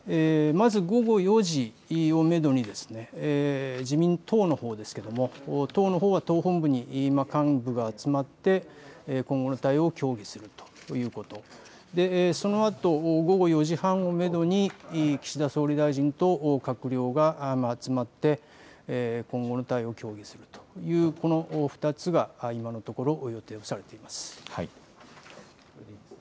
まず午後４時をめどに自民党のほうですけれども党のほうは党本部に今、幹部が集まって今後の対応を協議するということ、そのあと午後４時半をめどに岸田総理大臣と閣僚が集まって今後の対応を協議するという、この２つが今のところ予定されています。